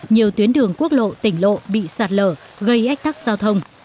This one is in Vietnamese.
nhiều tuyến đường quốc lộ tỉnh lộ bị sạt lở gây ách tắc giao thông